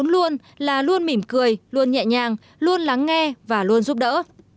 bốn luôn là luôn mỉm cười luôn nhẹ nhàng luôn lắng nghe và luôn giúp đỡ